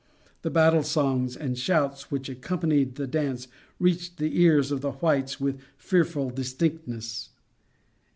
The battle songs and shouts which accompanied the dance reached the ears of the whites with fearful distinctness.